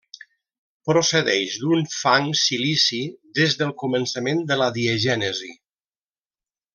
Procedeix d'un fang silici des del començament de la diagènesi.